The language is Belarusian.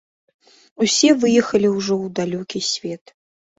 Усе выехалі ўжо ў далёкі свет.